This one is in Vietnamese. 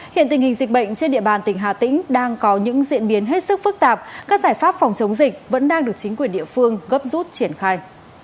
hiện tình hình dịch bệnh trên địa bàn tỉnh hà tĩnh đang có những diễn biến hết sức phức tạp các giải pháp phòng chống dịch vẫn đang được chính quyền địa phương gấp rút triển khai